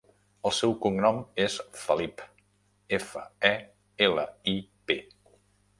El seu cognom és Felip: efa, e, ela, i, pe.